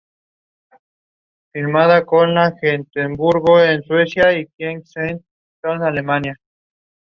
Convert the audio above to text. Su objetivo será potenciar el comercio.